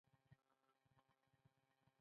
ملخ د کروندو لپاره زیان رسوونکی دی